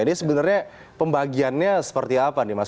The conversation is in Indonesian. jadi sebenarnya pembagiannya seperti apa nih mas